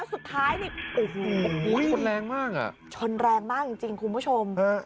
อุ้ยชนแรงมากอ่ะชนแรงมากจริงคุณผู้ชม